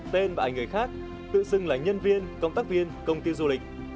tên và ảnh người khác tự xưng là nhân viên công tác viên công ty du lịch